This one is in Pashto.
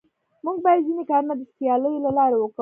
موږ بايد ځيني کارونه د سياليو له لاري وکو.